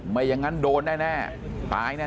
ไม่อย่างนั้นโดนแน่ตายแน่